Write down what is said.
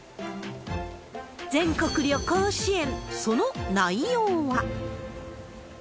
全国旅行支援、その内容は。